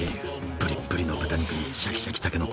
ぶりっぶりの豚肉にシャキシャキたけのこ。